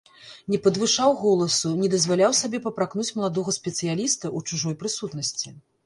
Не падвышаў голасу, не дазваляў сабе папракнуць маладога спецыяліста ў чужой прысутнасці.